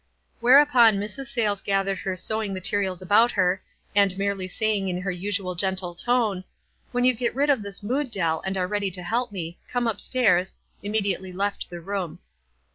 Whereupon Mrs. Sayles gathered her sewing materials about her, and merely saying in her usual gentle tone, "When you get rid of this mood, Dell, and are ready to help me, come up stairs," immediately left the room.